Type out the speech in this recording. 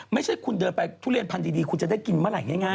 ไม่ใช่คุณเดินไปทุเรียนพันธุ์ดีคุณจะได้กินเมื่อไหร่ง่าย